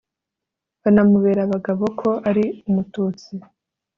banamubera abagabo ko ari umututsi